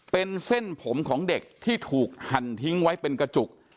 เป็นเส้นผมของเด็กที่ถูกหั่นทิ้งไว้เป็นกระจุก